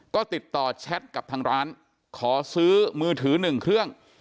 ก็ติดต่อแชทกับทางร้านขอซื้อมือถือ๑เครื่อง